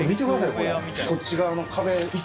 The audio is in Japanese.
これ。